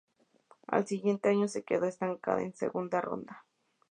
Al siguiente año se quedó estancada en segunda ronda.